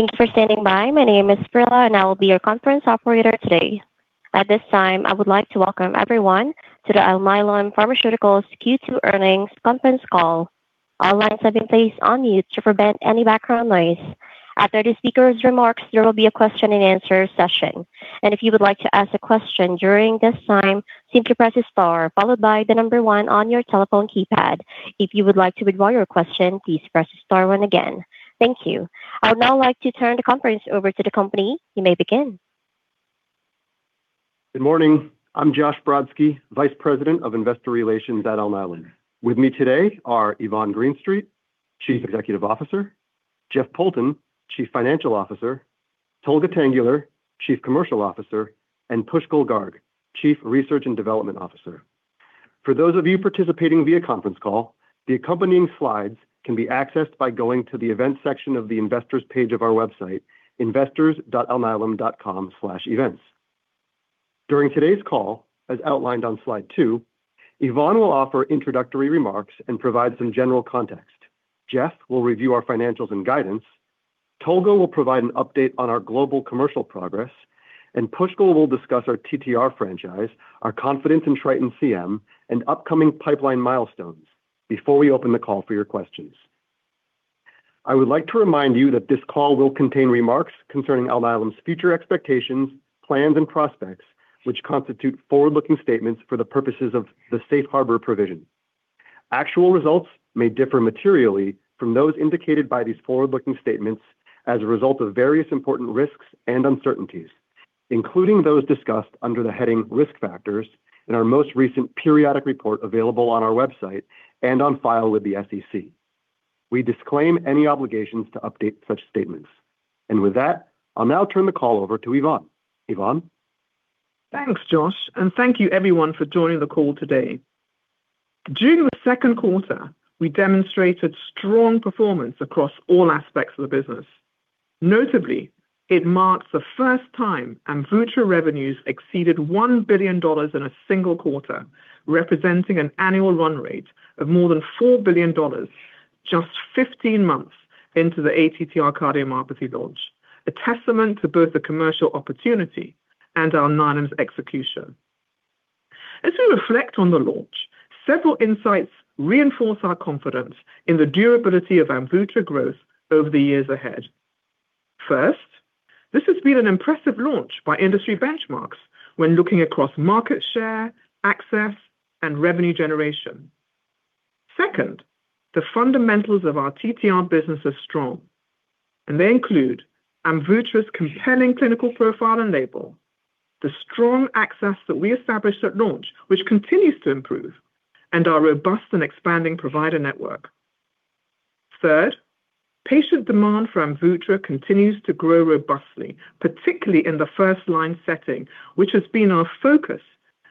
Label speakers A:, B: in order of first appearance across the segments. A: Thank you for standing by. My name is Frilla, and I will be your conference operator today. At this time, I would like to welcome everyone to the Alnylam Pharmaceuticals Q2 Earnings Conference Call. All lines have been placed on mute to prevent any background noise. After the speakers' remarks, there will be a question and answer session. If you would like to ask a question during this time, simply press star followed by the number one on your telephone keypad. If you would like to withdraw your question, please press star one again. Thank you. I would now like to turn the conference over to the company. You may begin.
B: Good morning. I'm Josh Brodsky, Vice President of Investor Relations at Alnylam. With me today are Yvonne Greenstreet, Chief Executive Officer, Jeff Poulton, Chief Financial Officer, Tolga Tanguler, Chief Commercial Officer, and Pushkal Garg, Chief Research and Development Officer. For those of you participating via conference call, the accompanying slides can be accessed by going to the events section of the investors page of our website, investors.alnylam.com/events. During today's call, as outlined on slide two, Yvonne will offer introductory remarks and provide some general context. Jeff will review our financials and guidance. Tolga will provide an update on our global commercial progress. Pushkal will discuss our TTR franchise, our confidence in TRITON-CM, and upcoming pipeline milestones before we open the call for your questions. I would like to remind you that this call will contain remarks concerning Alnylam's future expectations, plans, and prospects, which constitute forward-looking statements for the purposes of the safe harbor provision. Actual results may differ materially from those indicated by these forward-looking statements as a result of various important risks and uncertainties, including those discussed under the heading Risk Factors in our most recent periodic report available on our website and on file with the SEC. We disclaim any obligations to update such statements. With that, I'll now turn the call over to Yvonne. Yvonne?
C: Thanks, Josh. Thank you everyone for joining the call today. During the second quarter, we demonstrated strong performance across all aspects of the business. Notably, it marks the first time AMVUTTRA revenues exceeded $1 billion in a single quarter, representing an annual run rate of more than $4 billion just 15 months into the ATTR cardiomyopathy launch, a testament to both the commercial opportunity and Alnylam's execution. As we reflect on the launch, several insights reinforce our confidence in the durability of AMVUTTRA growth over the years ahead. First, this has been an impressive launch by industry benchmarks when looking across market share, access, and revenue generation. Second, the fundamentals of our TTR business are strong, and they include AMVUTTRA's compelling clinical profile and label, the strong access that we established at launch which continues to improve, and our robust and expanding provider network. Third, patient demand for AMVUTTRA continues to grow robustly, particularly in the first-line setting, which has been our focus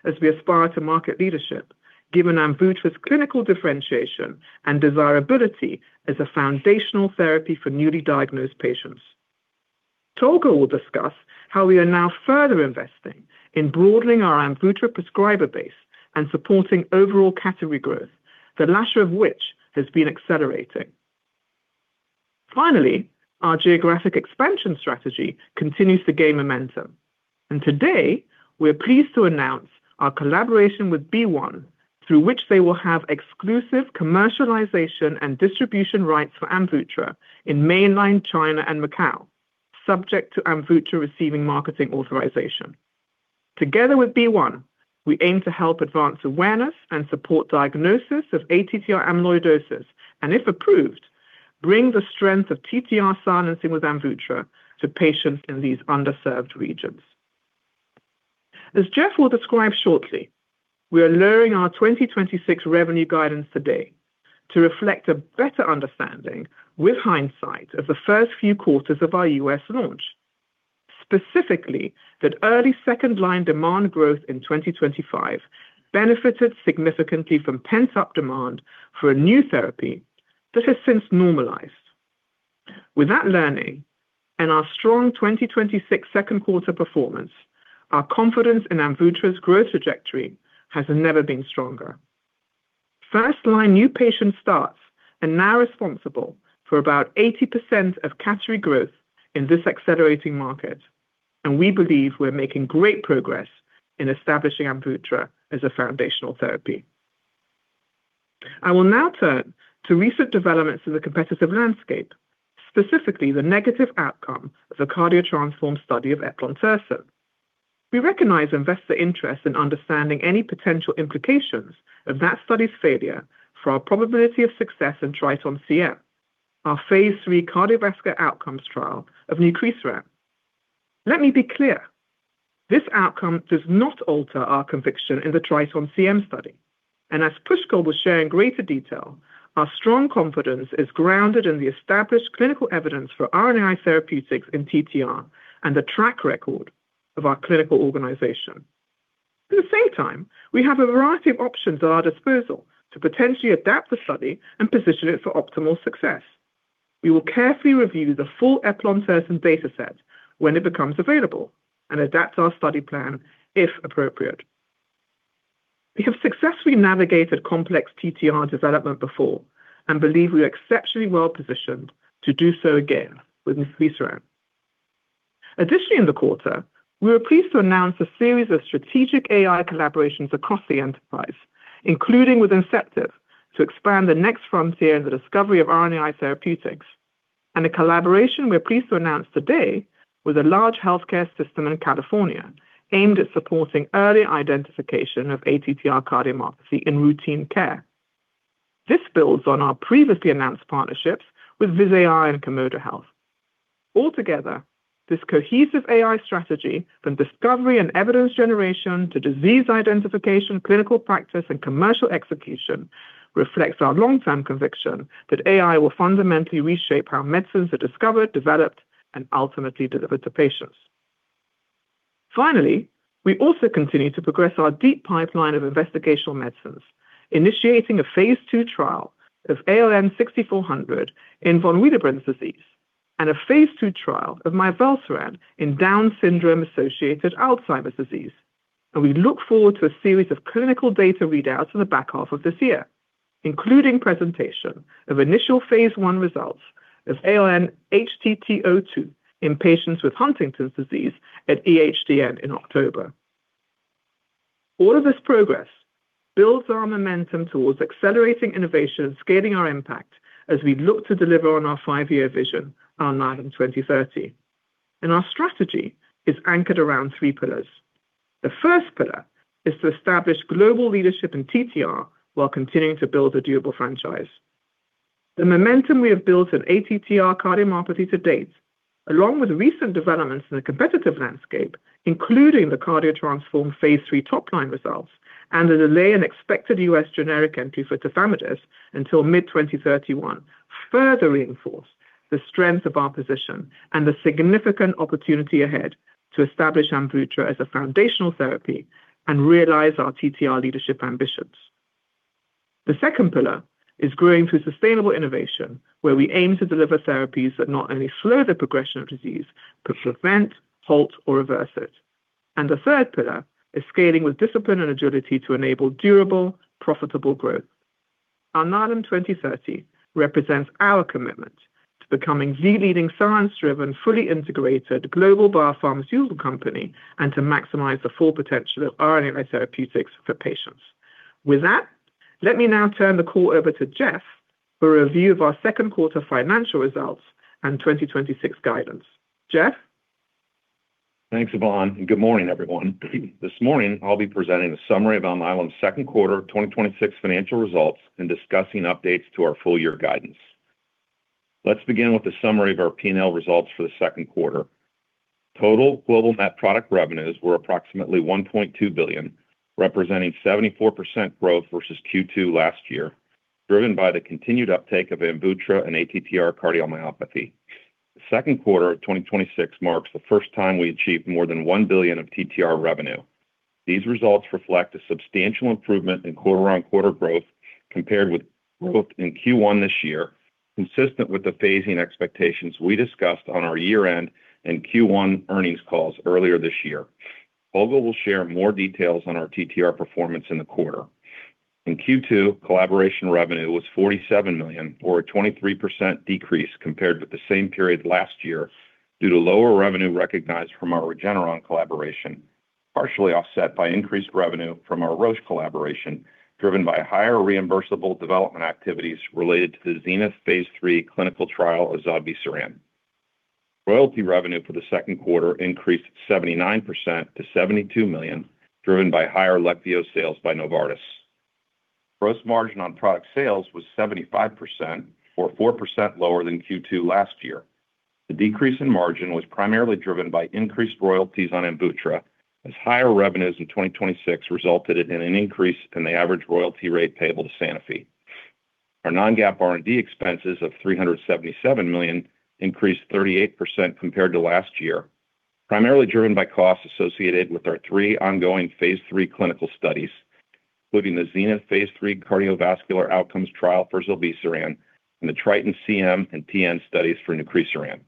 C: as we aspire to market leadership given AMVUTTRA's clinical differentiation and desirability as a foundational therapy for newly diagnosed patients. Tolga will discuss how we are now further investing in broadening our AMVUTTRA prescriber base and supporting overall category growth, the latter of which has been accelerating. Finally, our geographic expansion strategy continues to gain momentum, and today, we are pleased to announce our collaboration with BeOne, through which they will have exclusive commercialization and distribution rights for AMVUTTRA in mainland China and Macau, subject to AMVUTTRA receiving marketing authorization. Together with BeOne, we aim to help advance awareness and support diagnosis of ATTR amyloidosis, and if approved, bring the strength of TTR silencing with AMVUTTRA to patients in these underserved regions. As Jeff will describe shortly, we are lowering our 2026 revenue guidance today to reflect a better understanding with hindsight of the first few quarters of our U.S. launch. Specifically, that early second-line demand growth in 2025 benefited significantly from pent-up demand for a new therapy that has since normalized. With that learning and our strong 2026 second quarter performance, our confidence in AMVUTTRA's growth trajectory has never been stronger. First-line new patient starts are now responsible for about 80% of category growth in this accelerating market, and we believe we are making great progress in establishing AMVUTTRA as a foundational therapy. I will now turn to recent developments in the competitive landscape, specifically the negative outcome of the CARDIO-TTRansform study of eplontersen. We recognize investor interest in understanding any potential implications of that study's failure for our probability of success in TRITON-CM, our phase III cardiovascular outcomes trial of nucresiran. Let me be clear. This outcome does not alter our conviction in the TRITON-CM study. As Pushkal will share in greater detail, our strong confidence is grounded in the established clinical evidence for RNAi therapeutics in TTR and the track record of our clinical organization. At the same time, we have a variety of options at our disposal to potentially adapt the study and position it for optimal success. We will carefully review the full eplontersen data set when it becomes available and adapt our study plan if appropriate. We have successfully navigated complex TTR development before and believe we are exceptionally well-positioned to do so again with nucresiran. Additionally, in the quarter, we were pleased to announce a series of strategic AI collaborations across the enterprise, including with Inceptive, to expand the next frontier in the discovery of RNAi therapeutics, and a collaboration we are pleased to announce today with a large healthcare system in California aimed at supporting early identification of ATTR cardiomyopathy in routine care. This builds on our previously announced partnerships with Viz.ai and Komodo Health. Altogether, this cohesive AI strategy from discovery and evidence generation to disease identification, clinical practice, and commercial execution reflects our long-term conviction that AI will fundamentally reshape how medicines are discovered, developed, and ultimately delivered to patients. Finally, we also continue to progress our deep pipeline of investigational medicines, initiating a phase II trial of ALN-6400 in von Willebrand disease and a phase II trial of migalastat in Down syndrome-associated Alzheimer's disease. We look forward to a series of clinical data readouts in the back half of this year, including presentation of initial phase I results of ALN-HTT02 in patients with Huntington's disease at EHDN in October. All of this progress builds on our momentum towards accelerating innovation and scaling our impact as we look to deliver on our five-year vision, Alnylam 2030. Our strategy is anchored around three pillars. The first pillar is to establish global leadership in TTR while continuing to build a durable franchise. The momentum we have built in ATTR cardiomyopathy to date, along with recent developments in the competitive landscape, including the CARDIO-TTRansform phase III top-line results and a delay in expected U.S. generic entry for tafamidis until mid-2031, further reinforce the strength of our position and the significant opportunity ahead to establish AMVUTTRA as a foundational therapy and realize our TTR leadership ambitions. The second pillar is growing through sustainable innovation, where we aim to deliver therapies that not only slow the progression of disease but prevent, halt, or reverse it. The third pillar is scaling with discipline and agility to enable durable, profitable growth. Alnylam 2030 represents our commitment to becoming the leading science-driven, fully integrated global biopharmaceutical company and to maximize the full potential of RNA therapeutics for patients. With that, let me now turn the call over to Jeff for a review of our second quarter financial results and 2026 guidance. Jeff?
D: Thanks, Yvonne. Good morning, everyone. This morning, I'll be presenting a summary of Alnylam's second quarter 2026 financial results and discussing updates to our full year guidance. Let's begin with a summary of our P&L results for the second quarter. Total global net product revenues were approximately $1.2 billion, representing 74% growth versus Q2 last year, driven by the continued uptake of AMVUTTRA and ATTR cardiomyopathy. The second quarter of 2026 marks the first time we achieved more than $1 billion of TTR revenue. These results reflect a substantial improvement in quarter-over-quarter growth compared with growth in Q1 this year, consistent with the phasing expectations we discussed on our year-end and Q1 earnings calls earlier this year. Tolga will share more details on our TTR performance in the quarter. In Q2, collaboration revenue was $47 million, or a 23% decrease compared with the same period last year due to lower revenue recognized from our Regeneron collaboration, partially offset by increased revenue from our Roche collaboration, driven by higher reimbursable development activities related to the ZENITH phase III clinical trial of zilebesiran. Royalty revenue for the second quarter increased 79% to $72 million, driven by higher LEQVIO sales by Novartis. Gross margin on product sales was 75%, or 4% lower than Q2 last year. The decrease in margin was primarily driven by increased royalties on AMVUTTRA as higher revenues in 2026 resulted in an increase in the average royalty rate payable to Sanofi. Our non-GAAP R&D expenses of $377 million increased 38% compared to last year, primarily driven by costs associated with our three ongoing phase III clinical studies, including the ZENITH phase III cardiovascular outcomes trial for zilebesiran and the TRITON-CM and TN studies for nucresiran.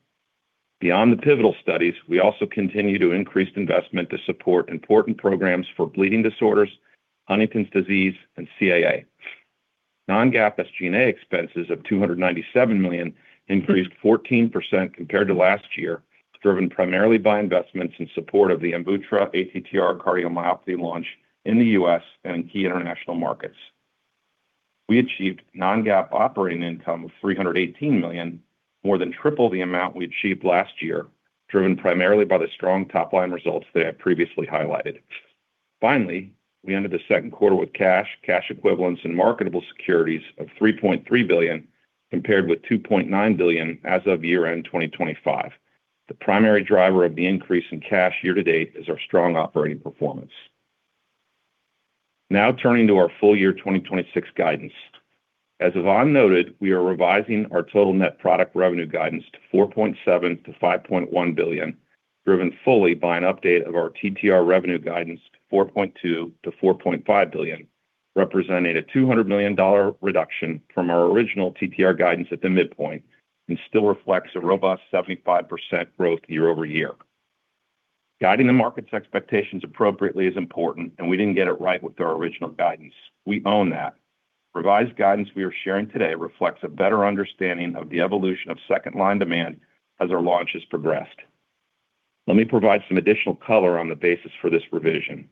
D: Beyond the pivotal studies, we also continue to increase investment to support important programs for bleeding disorders, Huntington's disease, and CAA. Non-GAAP SG&A expenses of $297 million increased 14% compared to last year, driven primarily by investments in support of the AMVUTTRA ATTR cardiomyopathy launch in the U.S. and in key international markets. We achieved non-GAAP operating income of $318 million, more than triple the amount we achieved last year, driven primarily by the strong top-line results that I previously highlighted. Finally, we ended the second quarter with cash equivalents, and marketable securities of $3.3 billion, compared with $2.9 billion as of year-end 2025. The primary driver of the increase in cash year to date is our strong operating performance. Now turning to our full year 2026 guidance. As Yvonne noted, we are revising our total net product revenue guidance to $4.7 billion-$5.1 billion, driven fully by an update of our TTR revenue guidance to $4.2 billion-$4.5 billion, representing a $200 million reduction from our original TTR guidance at the midpoint and still reflects a robust 75% growth year-over-year. Guiding the market's expectations appropriately is important. We didn't get it right with our original guidance. We own that. Revised guidance we are sharing today reflects a better understanding of the evolution of second-line demand as our launch has progressed. Let me provide some additional color on the basis for this revision.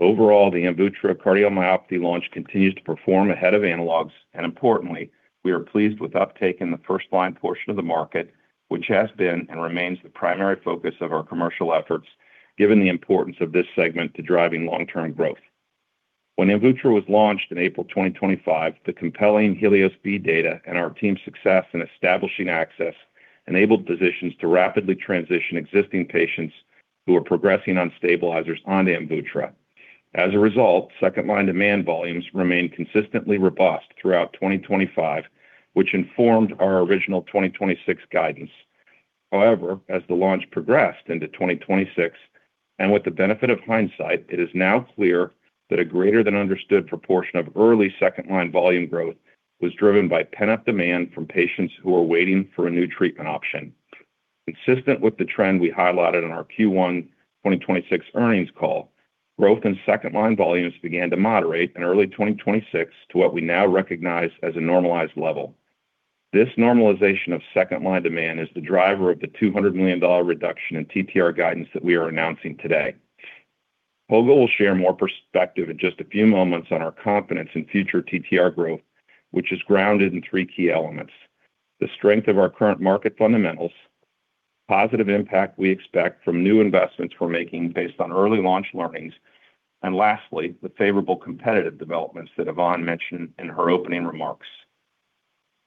D: Overall, the AMVUTTRA cardiomyopathy launch continues to perform ahead of analogs, and importantly, we are pleased with uptake in the first-line portion of the market, which has been and remains the primary focus of our commercial efforts, given the importance of this segment to driving long-term growth. When AMVUTTRA was launched in April 2025, the compelling HELIOS-B data and our team's success in establishing access enabled physicians to rapidly transition existing patients who were progressing on stabilizers onto AMVUTTRA. As a result, second-line demand volumes remained consistently robust throughout 2025, which informed our original 2026 guidance. However, as the launch progressed into 2026, and with the benefit of hindsight, it is now clear that a greater-than-understood proportion of early second-line volume growth was driven by pent-up demand from patients who were waiting for a new treatment option. Consistent with the trend we highlighted in our Q1 2026 earnings call, growth in second-line volumes began to moderate in early 2026 to what we now recognize as a normalized level. This normalization of second-line demand is the driver of the $200 million reduction in TTR guidance that we are announcing today. Tolga will share more perspective in just a few moments on our confidence in future TTR growth, which is grounded in three key elements, the strength of our current market fundamentals, positive impact we expect from new investments we're making based on early launch learnings, and lastly, the favorable competitive developments that Yvonne mentioned in her opening remarks.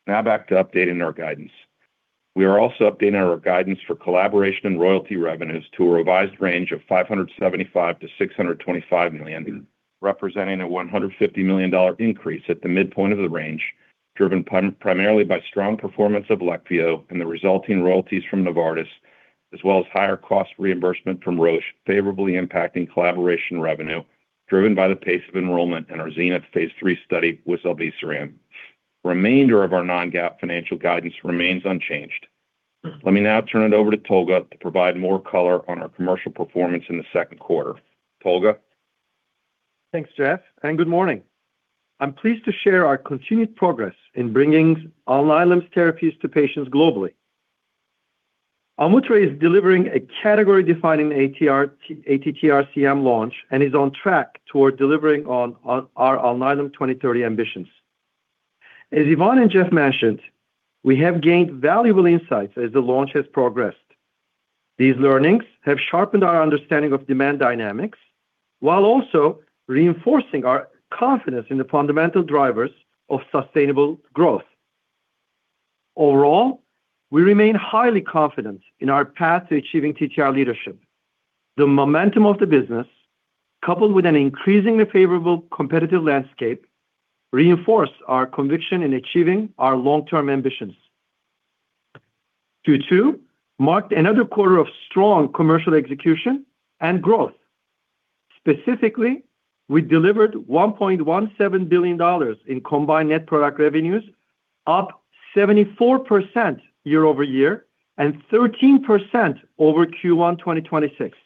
D: Now back to updating our guidance. We are also updating our guidance for collaboration and royalty revenues to a revised range of $575 million-$625 million, representing a $150 million increase at the midpoint of the range, driven primarily by strong performance of LEQVIO and the resulting royalties from Novartis, as well as higher cost reimbursement from Roche favorably impacting collaboration revenue, driven by the pace of enrollment in our ZENITH phase III study with zilebesiran. Remainder of our non-GAAP financial guidance remains unchanged. Let me now turn it over to Tolga to provide more color on our commercial performance in the second quarter. Tolga?
E: Thanks, Jeff, and good morning. I'm pleased to share our continued progress in bringing Alnylam's therapies to patients globally. AMVUTTRA is delivering a category-defining ATTR-CM launch and is on track toward delivering on our Alnylam 2030 ambitions. As Yvonne and Jeff mentioned, we have gained valuable insights as the launch has progressed. These learnings have sharpened our understanding of demand dynamics while also reinforcing our confidence in the fundamental drivers of sustainable growth. Overall, we remain highly confident in our path to achieving TTR leadership. The momentum of the business, coupled with an increasingly favorable competitive landscape, reinforce our conviction in achieving our long-term ambitions. Q2 marked another quarter of strong commercial execution and growth. Specifically, we delivered $1.17 billion in combined net product revenues, up 74% year-over-year and 13% over Q1 2026.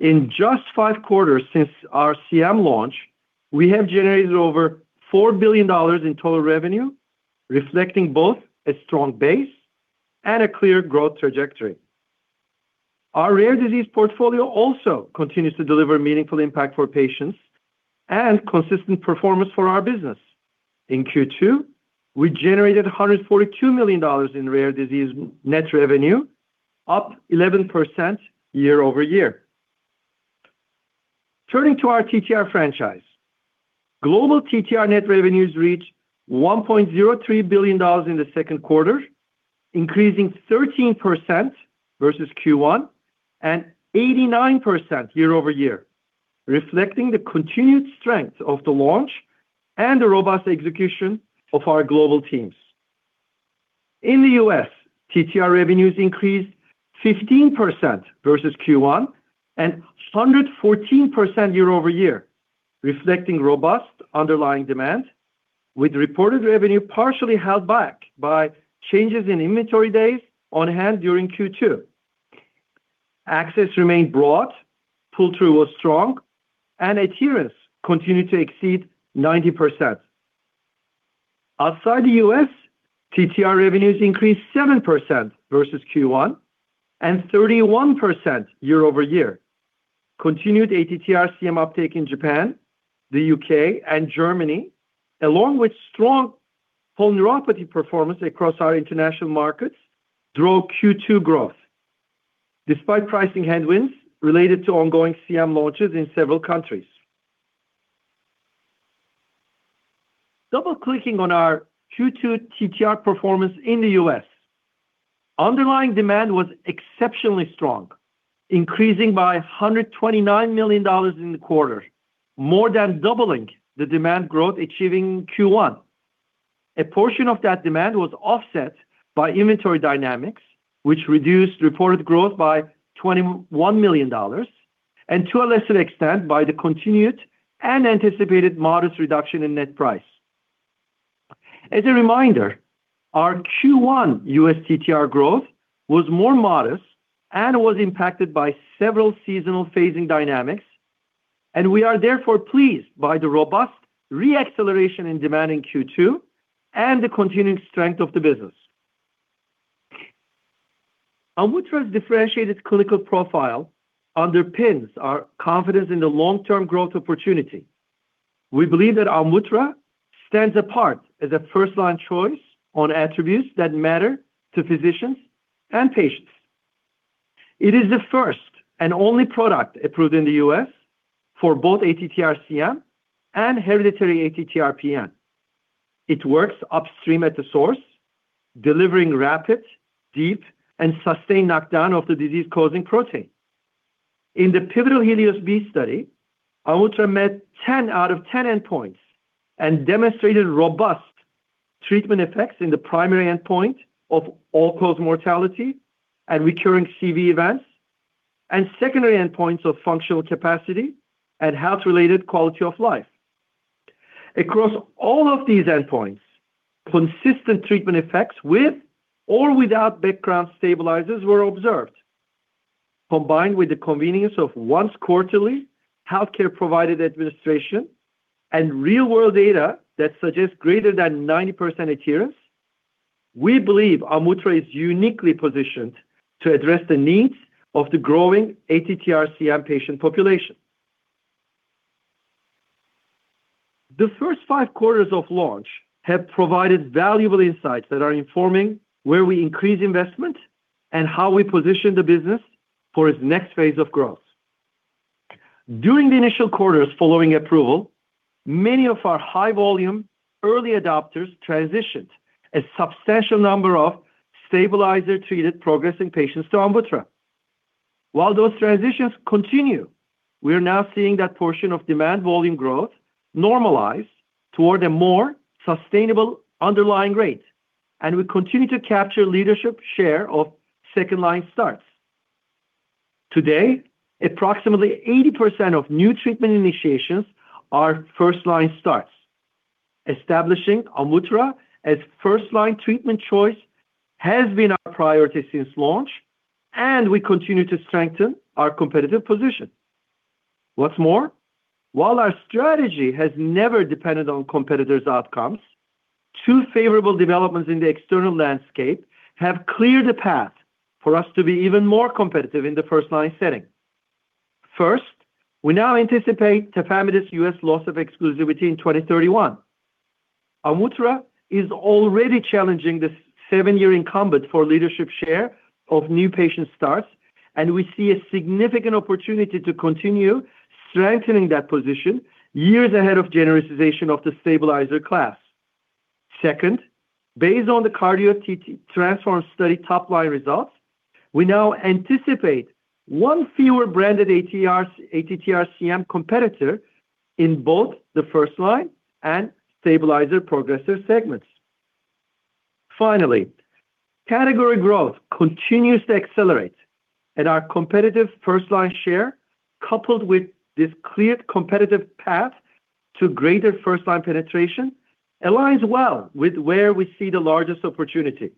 E: In just five quarters since our CM launch, we have generated over $4 billion in total revenue, reflecting both a strong base and a clear growth trajectory. Our rare disease portfolio also continues to deliver meaningful impact for patients and consistent performance for our business. In Q2, we generated $142 million in rare disease net revenue, up 11% year-over-year. Turning to our TTR franchise. Global TTR net revenues reached $1.03 billion in the second quarter, increasing 13% versus Q1 and 89% year-over-year, reflecting the continued strength of the launch and the robust execution of our global teams. In the U.S., TTR revenues increased 15% versus Q1 and 114% year-over-year, reflecting robust underlying demand, with reported revenue partially held back by changes in inventory days on hand during Q2. Access remained broad, pull-through was strong, and adherence continued to exceed 90%. Outside the U.S., TTR revenues increased 7% versus Q1 and 31% year-over-year. Continued ATTR-CM uptake in Japan, the U.K., and Germany, along with strong polyneuropathy performance across our international markets, drove Q2 growth despite pricing headwinds related to ongoing CM launches in several countries. Double-clicking on our Q2 TTR performance in the U.S., underlying demand was exceptionally strong, increasing by $129 million in the quarter, more than doubling the demand growth achieved in Q1. A portion of that demand was offset by inventory dynamics, which reduced reported growth by $21 million, and to a lesser extent by the continued and anticipated modest reduction in net price. As a reminder, our Q1 U.S. TTR growth was more modest and was impacted by several seasonal phasing dynamics, and we are therefore pleased by the robust re-acceleration in demand in Q2 and the continued strength of the business. AMVUTTRA's differentiated clinical profile underpins our confidence in the long-term growth opportunity. We believe that AMVUTTRA stands apart as a first-line choice on attributes that matter to physicians and patients. It is the first and only product approved in the U.S. for both ATTR-CM and hereditary ATTR-PN. It works upstream at the source, delivering rapid, deep, and sustained knockdown of the disease-causing protein. In the pivotal HELIOS-B study, AMVUTTRA met 10 out of 10 endpoints and demonstrated robust treatment effects in the primary endpoint of all-cause mortality and recurring CV events, and secondary endpoints of functional capacity and health-related quality of life. Across all of these endpoints, consistent treatment effects with or without background stabilizers were observed. Combined with the convenience of once quarterly healthcare provided administration and real-world data that suggests greater than 90% adherence, we believe AMVUTTRA is uniquely positioned to address the needs of the growing ATTR-CM patient population. The first five quarters of launch have provided valuable insights that are informing where we increase investment and how we position the business for its next phase of growth. During the initial quarters following approval, many of our high-volume early adopters transitioned a substantial number of stabilizer-treated progressing patients to AMVUTTRA. While those transitions continue, we are now seeing that portion of demand volume growth normalize toward a more sustainable underlying rate, and we continue to capture leadership share of second-line starts. Today, approximately 80% of new treatment initiations are first-line starts. Establishing AMVUTTRA as first-line treatment choice has been our priority since launch, and we continue to strengthen our competitive position. What's more, while our strategy has never depended on competitors' outcomes, two favorable developments in the external landscape have cleared a path for us to be even more competitive in the first-line setting. First, we now anticipate tafamidis U.S. loss of exclusivity in 2031. AMVUTTRA is already challenging this seven year incumbent for leadership share of new patient starts, and we see a significant opportunity to continue strengthening that position years ahead of genericization of the stabilizer class. Second, based on the CARDIO-TTRansform study top-line results, we now anticipate one fewer branded ATTR-CM competitor in both the first-line and stabilizer progressor segments. Finally, category growth continues to accelerate and our competitive first-line share, coupled with this clear competitive path to greater first-line penetration, aligns well with where we see the largest opportunity.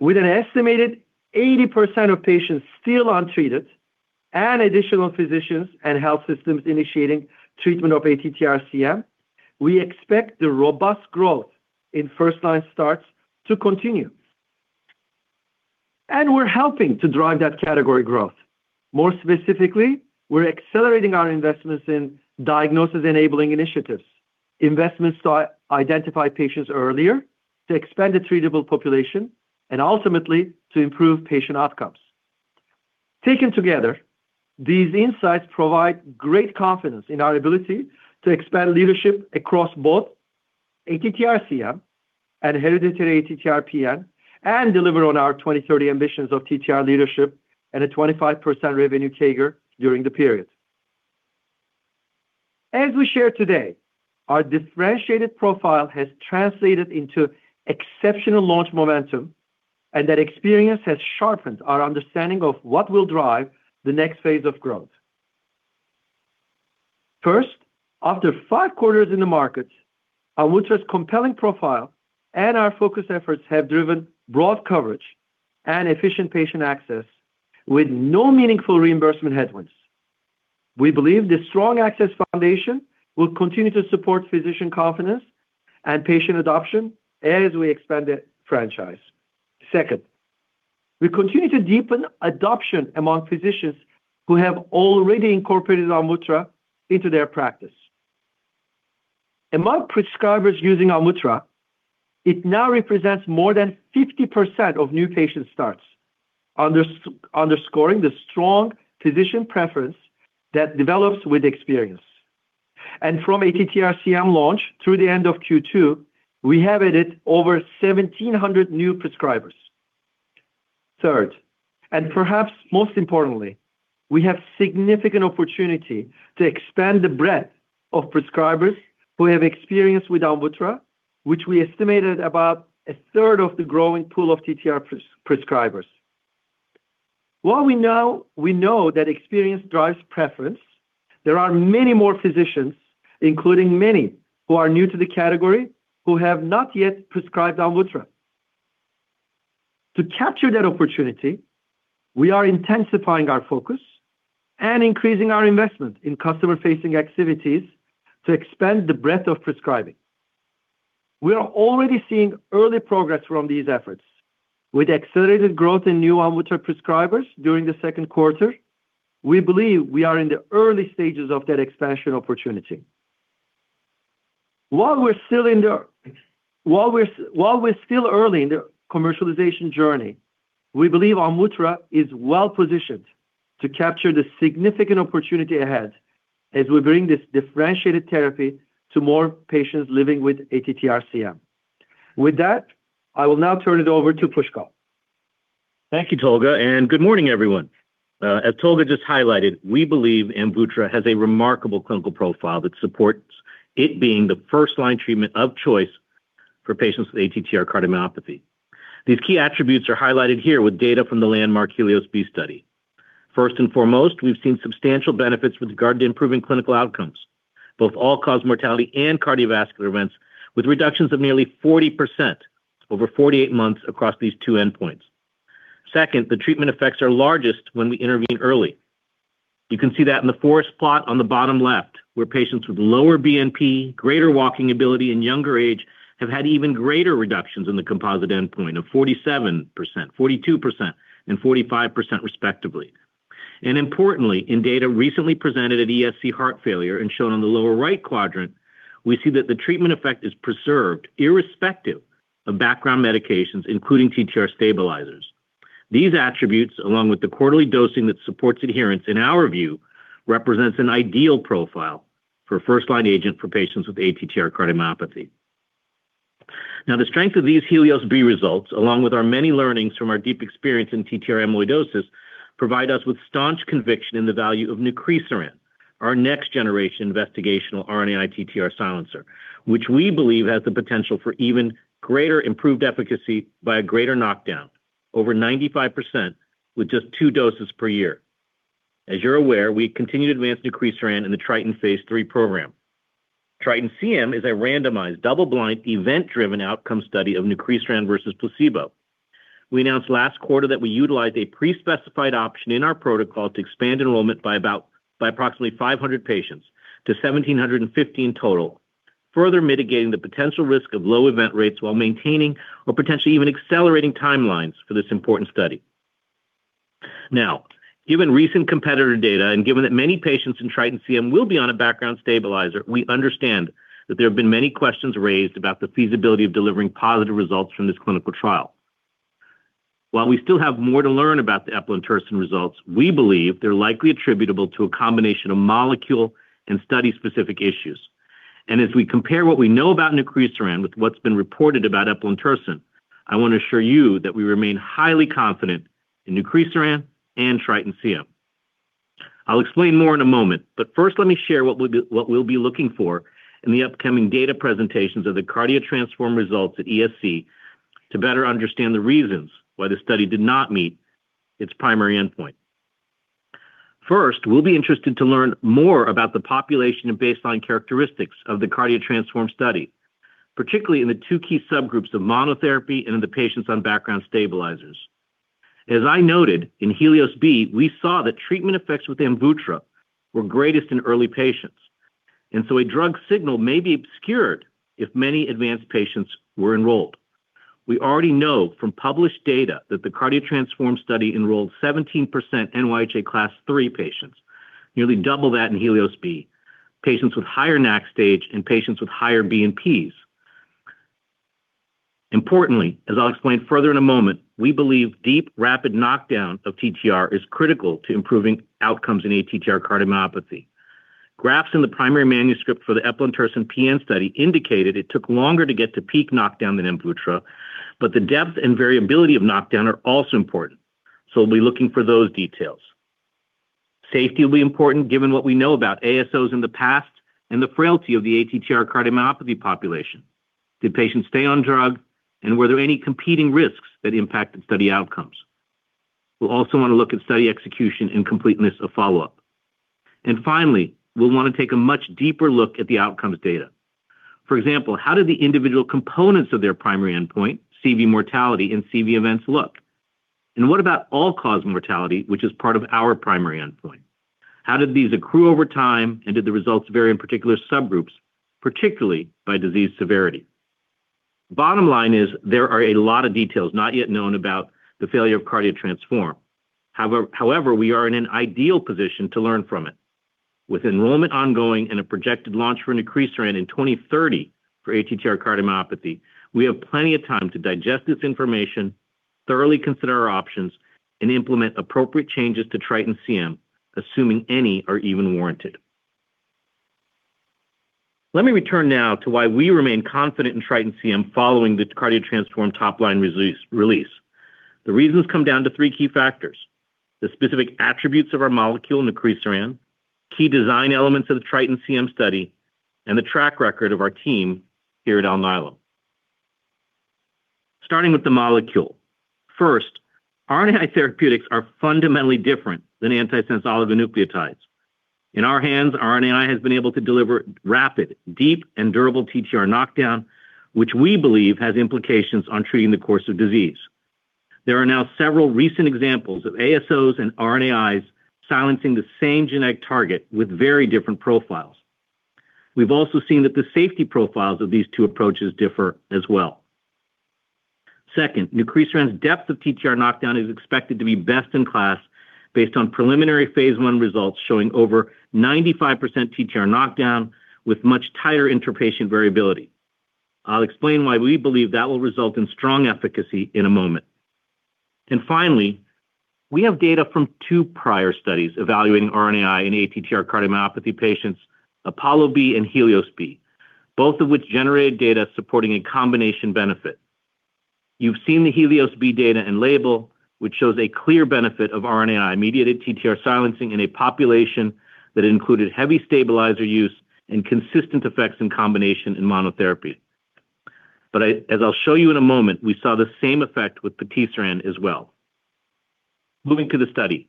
E: With an estimated 80% of patients still untreated and additional physicians and health systems initiating treatment of ATTR-CM, we expect the robust growth in first-line starts to continue. We are helping to drive that category growth. More specifically, we are accelerating our investments in diagnosis-enabling initiatives, investments to identify patients earlier, to expand the treatable population, and ultimately, to improve patient outcomes. Taken together, these insights provide great confidence in our ability to expand leadership across both ATTR-CM and hereditary ATTR-PN, and deliver on our 2030 ambitions of TTR leadership and a 25% revenue CAGR during the period. As we shared today, our differentiated profile has translated into exceptional launch momentum, and that experience has sharpened our understanding of what will drive the next phase of growth. First, after five quarters in the market, AMVUTTRA's compelling profile and our focus efforts have driven broad coverage and efficient patient access with no meaningful reimbursement headwinds. We believe this strong access foundation will continue to support physician confidence and patient adoption as we expand the franchise. Second, we continue to deepen adoption among physicians who have already incorporated AMVUTTRA into their practice. Among prescribers using AMVUTTRA, it now represents more than 50% of new patient starts, underscoring the strong physician preference that develops with experience. From ATTR-CM launch through the end of Q2, we have added over 1,700 new prescribers. Third, and perhaps most importantly, we have significant opportunity to expand the breadth of prescribers who have experience with AMVUTTRA, which we estimated about a third of the growing pool of TTR prescribers. While we know that experience drives preference, there are many more physicians, including many who are new to the category, who have not yet prescribed AMVUTTRA. To capture that opportunity, we are intensifying our focus and increasing our investment in customer-facing activities to expand the breadth of prescribing. We are already seeing early progress from these efforts. With accelerated growth in new AMVUTTRA prescribers during the second quarter, we believe we are in the early stages of that expansion opportunity. While we're still early in the commercialization journey, we believe AMVUTTRA is well-positioned to capture the significant opportunity ahead as we bring this differentiated therapy to more patients living with ATTR-CM. With that, I will now turn it over to Pushkal.
F: Thank you, Tolga, good morning, everyone. As Tolga just highlighted, we believe AMVUTTRA has a remarkable clinical profile that supports it being the first-line treatment of choice for patients with ATTR cardiomyopathy. These key attributes are highlighted here with data from the landmark HELIOS-B study. First and foremost, we've seen substantial benefits with regard to improving clinical outcomes, both all-cause mortality and cardiovascular events, with reductions of nearly 40% over 48 months across these two endpoints. Second, the treatment effects are largest when we intervene early. You can see that in the forest plot on the bottom left, where patients with lower BNP, greater walking ability, and younger age have had even greater reductions in the composite endpoint of 47%, 42%, and 45% respectively. Importantly, in data recently presented at ESC Heart Failure and shown on the lower right quadrant, we see that the treatment effect is preserved irrespective of background medications, including TTR stabilizers. These attributes, along with the quarterly dosing that supports adherence, in our view, represents an ideal profile for a first-line agent for patients with ATTR cardiomyopathy. The strength of these HELIOS-B results, along with our many learnings from our deep experience in TTR amyloidosis, provide us with staunch conviction in the value of nucresiran, our next-generation investigational RNAi TTR silencer, which we believe has the potential for even greater improved efficacy by a greater knockdown, over 95% with just two doses per year. As you're aware, we continue to advance nucresiran in the TRITON Phase III program. TRITON-CM is a randomized, double-blind, event-driven outcome study of nucresiran versus placebo. We announced last quarter that we utilized a pre-specified option in our protocol to expand enrollment by approximately 500 patients to 1,715 total, further mitigating the potential risk of low event rates while maintaining or potentially even accelerating timelines for this important study. Given recent competitor data and given that many patients in TRITON-CM will be on a background stabilizer, we understand that there have been many questions raised about the feasibility of delivering positive results from this clinical trial. While we still have more to learn about the eplontersen results, we believe they're likely attributable to a combination of molecule and study-specific issues. As we compare what we know about nucresiran with what's been reported about eplontersen, I want to assure you that we remain highly confident in nucresiran and TRITON-CM. I'll explain more in a moment, first let me share what we'll be looking for in the upcoming data presentations of the CARDIO-TTRansform results at ESC to better understand the reasons why the study did not meet its primary endpoint. First, we'll be interested to learn more about the population and baseline characteristics of the CARDIO-TTRansform study, particularly in the two key subgroups of monotherapy and in the patients on background stabilizers. As I noted, in HELIOS-B, we saw that treatment effects with AMVUTTRA were greatest in early patients. A drug signal may be obscured if many advanced patients were enrolled. We already know from published data that the CARDIO-TTRansform study enrolled 17% NYHA Class III patients, nearly double that in HELIOS-B, patients with higher NAC stage, and patients with higher BNPs. Importantly, as I'll explain further in a moment, we believe deep, rapid knockdown of TTR is critical to improving outcomes in ATTR cardiomyopathy. Graphs in the primary manuscript for the eplontersen PN study indicated it took longer to get to peak knockdown than AMVUTTRA, the depth and variability of knockdown are also important. We'll be looking for those details. Safety will be important given what we know about ASOs in the past and the frailty of the ATTR cardiomyopathy population. Did patients stay on drug? Were there any competing risks that impacted study outcomes? We'll also want to look at study execution and completeness of follow-up. Finally, we'll want to take a much deeper look at the outcomes data. For example, how did the individual components of their primary endpoint, CV mortality, and CV events look? What about all-cause mortality, which is part of our primary endpoint? How did these accrue over time, and did the results vary in particular subgroups, particularly by disease severity? Bottom line is there are a lot of details not yet known about the failure of CARDIO-TTRansform. We are in an ideal position to learn from it. With enrollment ongoing and a projected launch for nucresiran in 2030 for ATTR cardiomyopathy, we have plenty of time to digest this information, thoroughly consider our options, and implement appropriate changes to TRITON-CM, assuming any are even warranted. Let me return now to why we remain confident in TRITON-CM following the CARDIO-TTRansform top-line release. The reasons come down to three key factors. The specific attributes of our molecule, nucresiran, key design elements of the TRITON-CM study, and the track record of our team here at Alnylam. Starting with the molecule. First, RNAi therapeutics are fundamentally different than antisense oligonucleotides. In our hands, RNAi has been able to deliver rapid, deep, and durable TTR knockdown, which we believe has implications on treating the course of disease. There are now several recent examples of ASOs and RNAi silencing the same genetic target with very different profiles. We've also seen that the safety profiles of these two approaches differ as well. Second, nucresiran's depth of TTR knockdown is expected to be best in class based on preliminary phase I results showing over 95% TTR knockdown with much tighter intra-patient variability. I'll explain why we believe that will result in strong efficacy in a moment. Finally, we have data from two prior studies evaluating RNAi in ATTR cardiomyopathy patients, APOLLO-B and HELIOS-B, both of which generated data supporting a combination benefit. You've seen the HELIOS-B data and label, which shows a clear benefit of RNAi-mediated TTR silencing in a population that included heavy stabilizer use and consistent effects in combination in monotherapy. As I'll show you in a moment, we saw the same effect with patisiran as well. Moving to the study,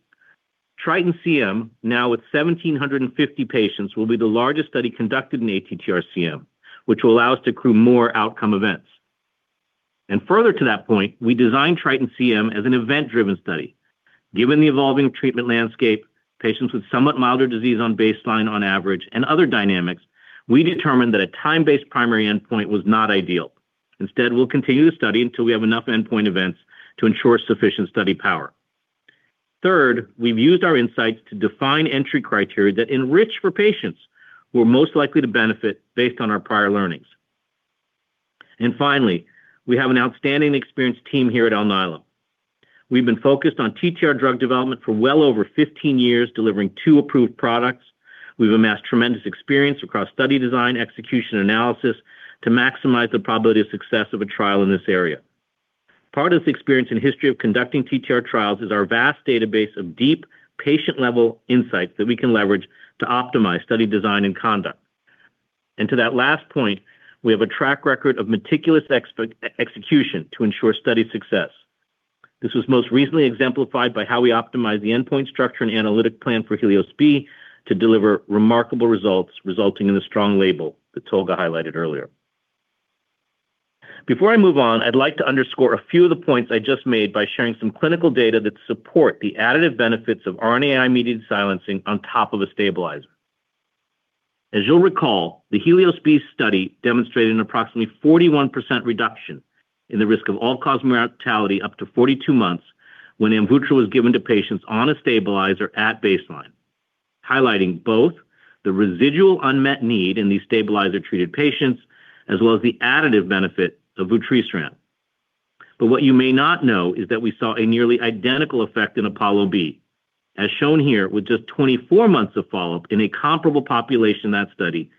F: TRITON-CM, now with 1,750 patients, will be the largest study conducted in ATTR-CM, which will allow us to accrue more outcome events. Further to that point, we designed TRITON-CM as an event-driven study. Given the evolving treatment landscape, patients with somewhat milder disease on baseline on average, and other dynamics, we determined that a time-based primary endpoint was not ideal. Instead, we'll continue the study until we have enough endpoint events to ensure sufficient study power. Third, we've used our insights to define entry criteria that enrich for patients who are most likely to benefit based on our prior learnings. Finally, we have an outstanding experienced team here at Alnylam. We've been focused on TTR drug development for well over 15 years, delivering two approved products. We've amassed tremendous experience across study design, execution, and analysis to maximize the probability of success of a trial in this area. Part of the experience and history of conducting TTR trials is our vast database of deep patient-level insights that we can leverage to optimize study design and conduct. To that last point, we have a track record of meticulous execution to ensure study success. This was most recently exemplified by how we optimized the endpoint structure and analytic plan for HELIOS-B to deliver remarkable results, resulting in a strong label that Tolga highlighted earlier. Before I move on, I'd like to underscore a few of the points I just made by sharing some clinical data that support the additive benefits of RNAi-mediated silencing on top of a stabilizer. As you'll recall, the HELIOS-B study demonstrated an approximately 41% reduction in the risk of all-cause mortality up to 42 months when AMVUTTRA was given to patients on a stabilizer at baseline, highlighting both the residual unmet need in these stabilizer-treated patients, as well as the additive benefit of vutrisiran. What you may not know is that we saw a nearly identical effect in APOLLO-B. As shown here with just 24 months of follow-up in a comparable population in that study,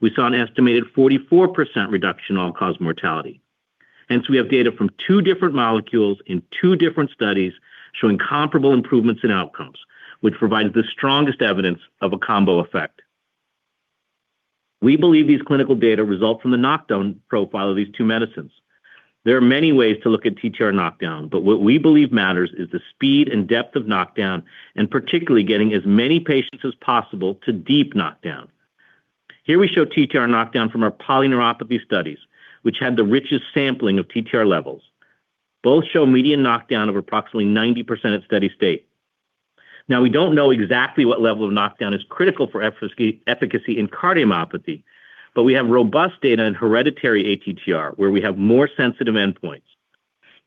F: we saw an estimated 44% reduction in all-cause mortality. We have data from two different molecules in two different studies showing comparable improvements in outcomes, which provides the strongest evidence of a combo effect. We believe these clinical data result from the knockdown profile of these two medicines. There are many ways to look at TTR knockdown, but what we believe matters is the speed and depth of knockdown, and particularly getting as many patients as possible to deep knockdown. Here we show TTR knockdown from our polyneuropathy studies, which had the richest sampling of TTR levels. Both show median knockdown of approximately 90% at steady state. Now, we don't know exactly what level of knockdown is critical for efficacy in cardiomyopathy, but we have robust data in hereditary ATTR, where we have more sensitive endpoints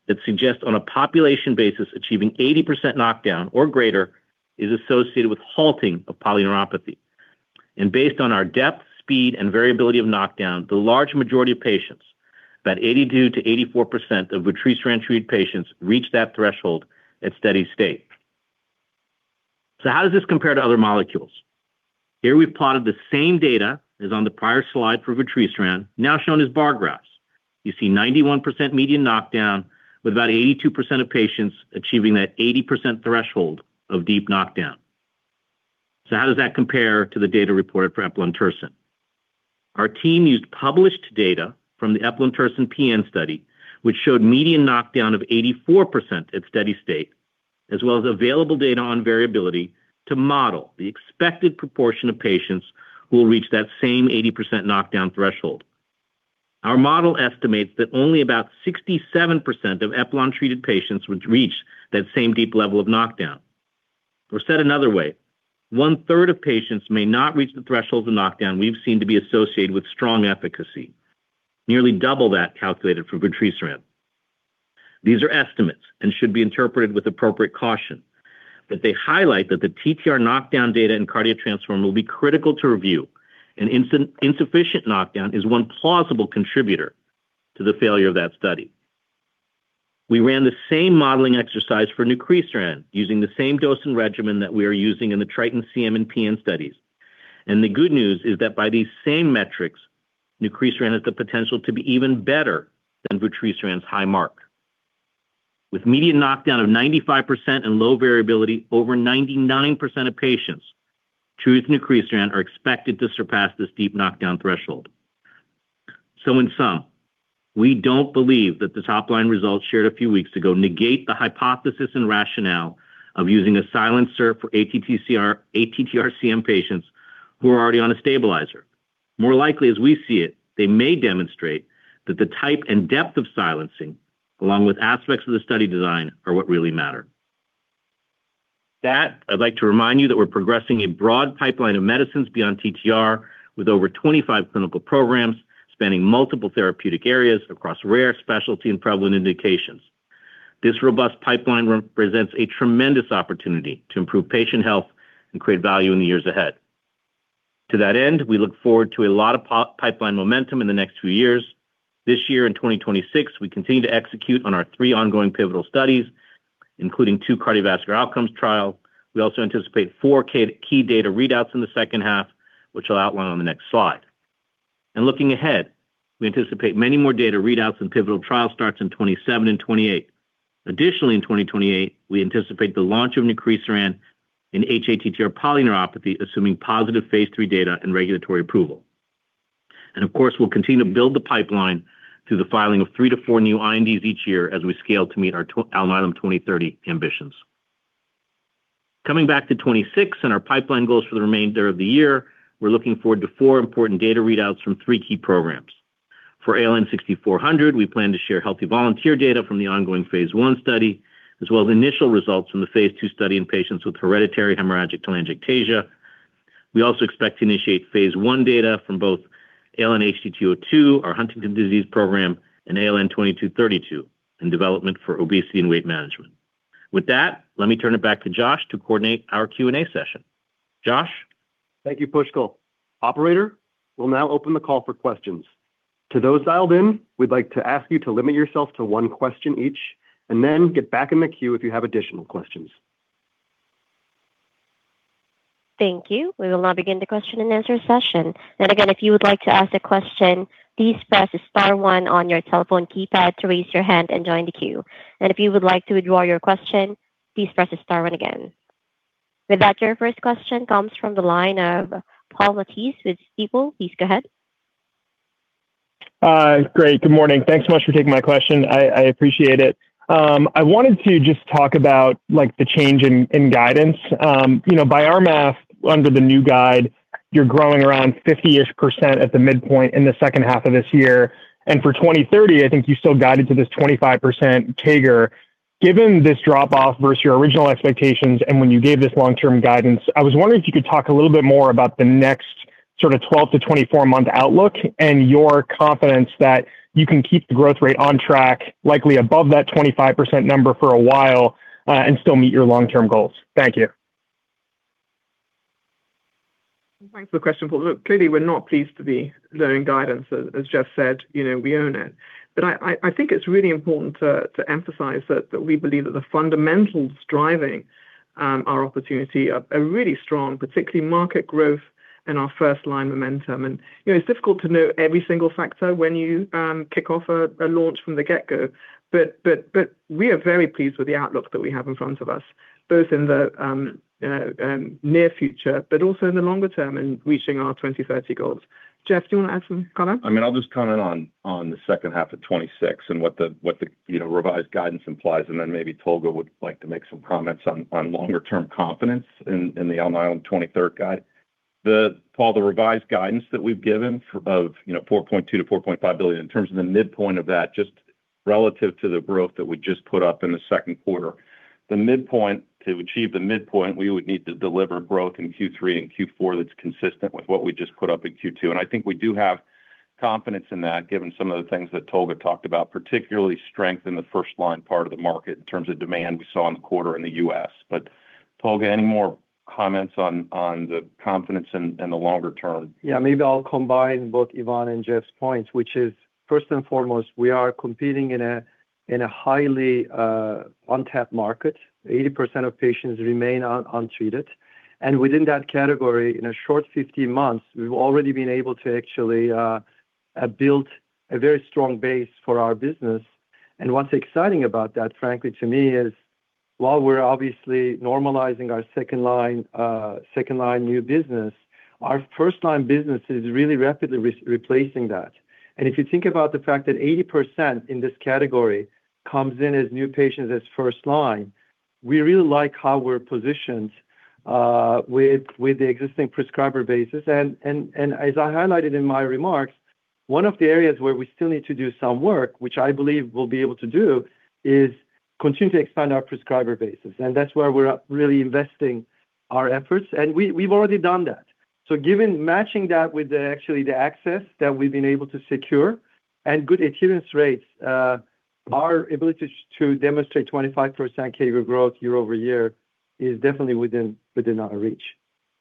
F: that suggest on a population basis, achieving 80% knockdown or greater is associated with halting of polyneuropathy. Based on our depth, speed, and variability of knockdown, the large majority of patients, about 82% to 84% of vutrisiran-treated patients, reach that threshold at steady state. How does this compare to other molecules? Here we've plotted the same data as on the prior slide for vutrisiran, now shown as bar graphs. You see 91% median knockdown with about 82% of patients achieving that 80% threshold of deep knockdown. How does that compare to the data reported for eplontersen? Our team used published data from the eplontersen PN study, which showed median knockdown of 84% at steady state, as well as available data on variability to model the expected proportion of patients who will reach that same 80% knockdown threshold. Our model estimates that only about 67% of eplon-treated patients would reach that same deep level of knockdown. Or said another way, one-third of patients may not reach the threshold of knockdown we've seen to be associated with strong efficacy, nearly double that calculated for vutrisiran. These are estimates and should be interpreted with appropriate caution, but they highlight that the TTR knockdown data in CARDIO-TTRansform will be critical to review. An insufficient knockdown is one plausible contributor to the failure of that study. We ran the same modeling exercise for nucresiran using the same dose and regimen that we are using in the TRITON-CM and TRITON-PN studies. The good news is that by these same metrics, nucresiran has the potential to be even better than vutrisiran's high mark. With median knockdown of 95% and low variability, over 99% of patients treated with nucresiran are expected to surpass this deep knockdown threshold. In sum, we don't believe that the top-line results shared a few weeks ago negate the hypothesis and rationale of using a silencer for ATTR-CM patients who are already on a stabilizer. More likely, as we see it, they may demonstrate that the type and depth of silencing, along with aspects of the study design, are what really matter. With that, I'd like to remind you that we're progressing a broad pipeline of medicines beyond TTR with over 25 clinical programs spanning multiple therapeutic areas across rare specialty and prevalent indications. This robust pipeline represents a tremendous opportunity to improve patient health and create value in the years ahead. To that end, we look forward to a lot of pipeline momentum in the next few years. This year, in 2026, we continue to execute on our three ongoing pivotal studies, including two cardiovascular outcomes trial. We also anticipate four key data readouts in the second half, which I'll outline on the next slide. Looking ahead, we anticipate many more data readouts and pivotal trial starts in 2027 and 2028. Additionally, in 2028, we anticipate the launch of nucresiran in hATTR polyneuropathy, assuming positive phase III data and regulatory approval. Of course, we'll continue to build the pipeline through the filing of three to four new INDs each year as we scale to meet our Alnylam 2030 ambitions. Coming back to 2026 and our pipeline goals for the remainder of the year, we're looking forward to four important data readouts from three key programs. For ALN-6400, we plan to share healthy volunteer data from the ongoing phase I study, as well as initial results from the phase II study in patients with hereditary hemorrhagic telangiectasia. We also expect to initiate phase I data from both ALN-HTT02, our Huntington's disease program, and ALN-2232 in development for obesity and weight management. Let me turn it back to Josh to coordinate our Q&A session. Josh?
B: Thank you, Pushkal. We'll now open the call for questions. To those dialed in, we'd like to ask you to limit yourself to one question each and then get back in the queue if you have additional questions.
A: Thank you. We will now begin the question and answer session. Again, if you would like to ask a question, please press star one on your telephone keypad to raise your hand and join the queue. If you would like to withdraw your question, please press star one again. Your first question comes from the line of Paul Matteis with Stifel. Please go ahead.
G: Great. Good morning. Thanks so much for taking my question. I appreciate it. I wanted to just talk about the change in guidance. By our math, under the new guide, you're growing around 50-ish% at the midpoint in the second half of this year. For 2030, I think you still guided to this 25% CAGR. Given this drop-off versus your original expectations and when you gave this long-term guidance, I was wondering if you could talk a little bit more about the next sort of 12 to 24-month outlook and your confidence that you can keep the growth rate on track, likely above that 25% number for a while, and still meet your long-term goals. Thank you.
C: Thanks for the question, Paul. Look, clearly, we're not pleased to be lowering guidance. As Jeff said, we own it. I think it's really important to emphasize that we believe that the fundamentals driving our opportunity are really strong, particularly market growth and our first-line momentum. It's difficult to know every single factor when you kick off a launch from the get-go, but we are very pleased with the outlook that we have in front of us, both in the near future, but also in the longer term in reaching our 2030 goals. Jeff, do you want to add some color?
D: I mean, I'll just comment on the second half of 2026 and what the revised guidance implies, then maybe Tolga would like to make some comments on longer-term confidence in the Alnylam 2030 guide. Paul, the revised guidance that we've given of $4.2 billion-$4.5 billion, in terms of the midpoint of that, just relative to the growth that we just put up in the second quarter. To achieve the midpoint, we would need to deliver growth in Q3 and Q4 that's consistent with what we just put up in Q2. I think we do have confidence in that, given some of the things that Tolga talked about, particularly strength in the first-line part of the market in terms of demand we saw in the quarter in the U.S. Tolga, any more comments on the confidence in the longer term?
E: Yeah, maybe I'll combine both Yvonne and Jeff's points, which is first and foremost, we are competing in a highly untapped market. 80% of patients remain untreated. Within that category, in a short 15 months, we've already been able to actually build a very strong base for our business. What's exciting about that, frankly, to me is while we're obviously normalizing our second-line new business, our first-line business is really rapidly replacing that. If you think about the fact that 80% in this category comes in as new patients as first-line, we really like how we're positioned with the existing prescriber basis. As I highlighted in my remarks, one of the areas where we still need to do some work, which I believe we'll be able to do, is continue to expand our prescriber basis. That's where we're really investing our efforts. We've already done that. Matching that with actually the access that we've been able to secure and good adherence rates, our ability to demonstrate 25% CAGR growth year-over-year is definitely within our reach.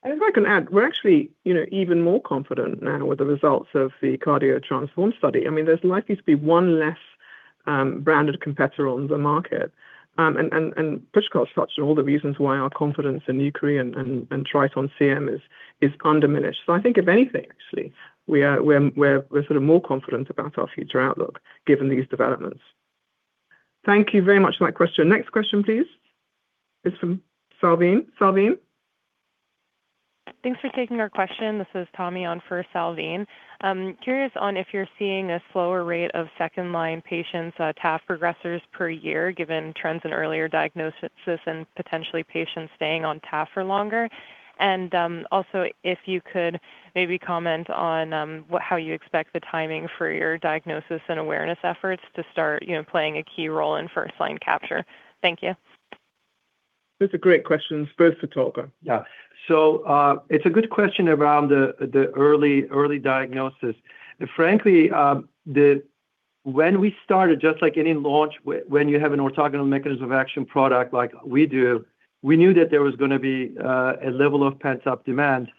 C: If I can add, we're actually even more confident now with the results of the CARDIO-TTRansform study. There's likely to be one less branded competitor on the market. Pushkal touched on all the reasons why our confidence in nucresiran and TRITON-CM is undiminished. I think if anything, actually, we're sort of more confident about our future outlook given these developments. Thank you very much for that question. Next question, please. It's from Salveen. Salveen?
H: Thanks for taking our question. This is Tommy on for Salveen. I'm curious on if you're seeing a slower rate of second-line patients, TAF progressors per year, given trends in earlier diagnoses and potentially patients staying on TAF for longer. Also, if you could maybe comment on how you expect the timing for your diagnosis and awareness efforts to start playing a key role in first-line capture. Thank you.
C: Those are great questions. First for Tolga.
E: It's a good question around the early diagnosis. Frankly, when we started, just like any launch when you have an orthogonal mechanism of action product like we do, we knew that there was going to be a level of pent-up demand.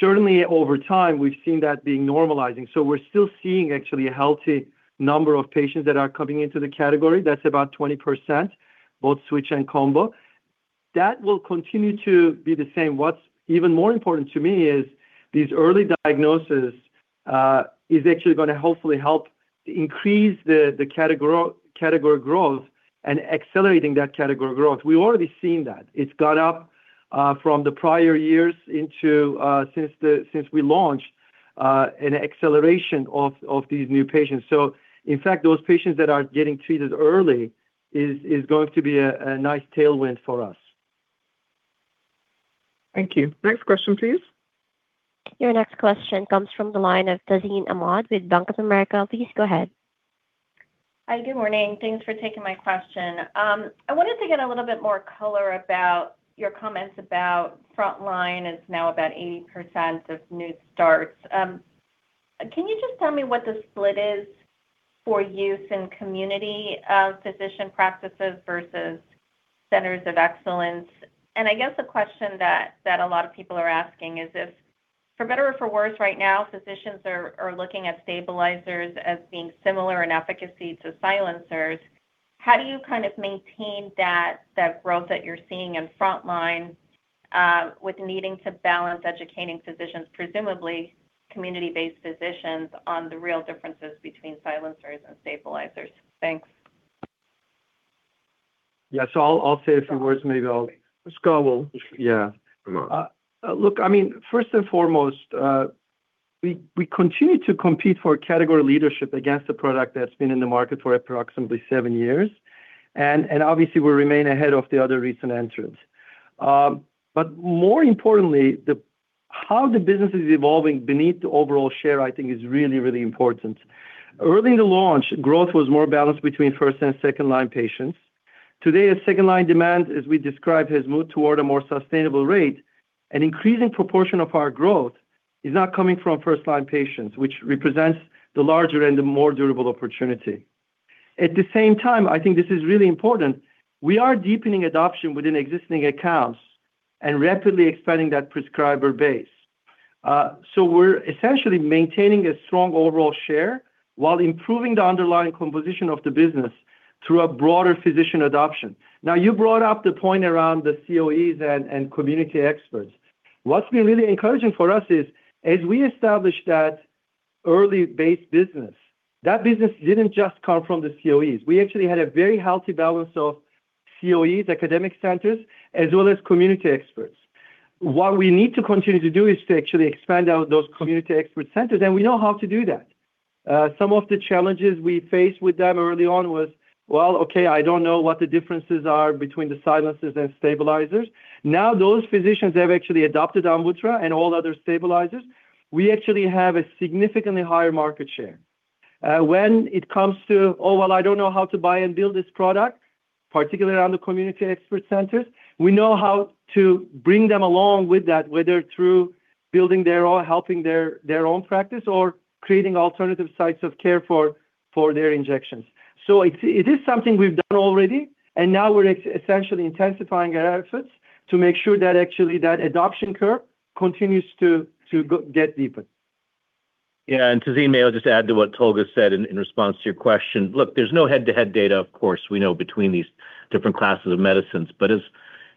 E: Certainly over time, we've seen that being normalizing. We're still seeing actually a healthy number of patients that are coming into the category. That's about 20%, both switch and combo. That will continue to be the same. What's even more important to me is this early diagnosis is actually going to hopefully help increase the category growth and accelerating that category growth. We've already seen that. It's gone up from the prior years since we launched, an acceleration of these new patients. In fact, those patients that are getting treated early is going to be a nice tailwind for us.
C: Thank you. Next question, please.
A: Your next question comes from the line of Tazeen Ahmad with Bank of America. Please go ahead.
I: Hi. Good morning. Thanks for taking my question. I wanted to get a little bit more color about your comments about frontline is now about 80% of new starts. Can you just tell me what the split is for use in community physician practices versus Centers of Excellence? I guess a question that a lot of people are asking is if, for better or for worse right now, physicians are looking at stabilizers as being similar in efficacy to silencers, how do you kind of maintain that growth that you're seeing in frontline with needing to balance educating physicians, presumably community-based physicians, on the real differences between silencers and stabilizers? Thanks.
E: Yeah. I'll say a few words, maybe. Pushkal will.
F: Yeah. [Come on].
E: Look, first and foremost, we continue to compete for category leadership against a product that's been in the market for approximately seven years, and obviously we remain ahead of the other recent entrants. More importantly, how the business is evolving beneath the overall share, I think is really, really important. Early in the launch, growth was more balanced between first and second-line patients. Today, as second-line demand, as we described, has moved toward a more sustainable rate, an increasing proportion of our growth is now coming from first-line patients, which represents the larger and the more durable opportunity. At the same time, I think this is really important, we are deepening adoption within existing accounts and rapidly expanding that prescriber base. We're essentially maintaining a strong overall share while improving the underlying composition of the business through a broader physician adoption. You brought up the point around the COEs and community experts. What's been really encouraging for us is, as we established that early base business, that business didn't just come from the COEs. We actually had a very healthy balance of COEs, academic centers, as well as community experts. What we need to continue to do is to actually expand out those community expert centers, and we know how to do that. Some of the challenges we faced with them early on was, "Well, okay, I don't know what the differences are between the silencers and stabilizers." Now those physicians have actually adopted AMVUTTRA and all other stabilizers. We actually have a significantly higher market share. When it comes to, "Oh, well, I don't know how to buy and bill this product," particularly around the community expert centers, we know how to bring them along with that, whether through building their own, helping their own practice, or creating alternative sites of care for their injections. It is something we've done already, and now we're essentially intensifying our efforts to make sure that actually that adoption curve continues to get deeper.
F: Yeah. Tazeen, maybe I'll just add to what Tolga said in response to your question. Look, there's no head-to-head data, of course, we know between these different classes of medicines. As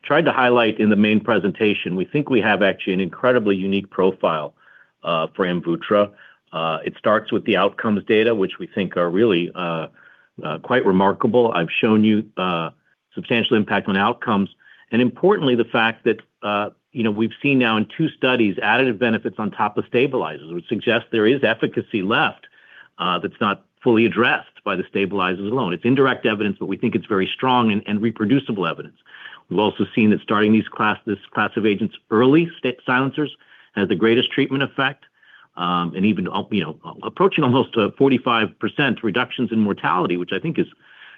F: tried to highlight in the main presentation, we think we have actually an incredibly unique profile for AMVUTTRA. It starts with the outcomes data, which we think are really quite remarkable. I've shown you substantial impact on outcomes. Importantly, the fact that we've seen now in two studies additive benefits on top of stabilizers, which suggests there is efficacy left that's not fully addressed by the stabilizers alone. It's indirect evidence but we think it's very strong and reproducible evidence. We've also seen that starting this class of agents early, silencers, has the greatest treatment effect, even approaching almost to 45% reductions in mortality which I think is